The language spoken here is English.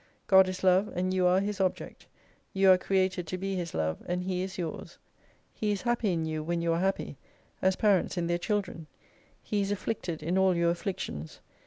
God is Love, and you are His object. You are created to be His Love : and He is yours. He is happy in you, when you are happy : as parents in their chil dren. He is afflicted in all your afflictions.